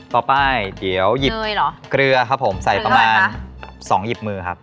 ต่อไปเดี๋ยวหยิบเกลือครับผมใส่ประมาณ๒หยิบมือครับ